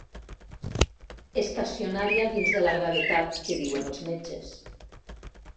Estacionària dins de la gravetat, que diuen els metges.